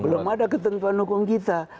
belum ada ketentuan hukum kita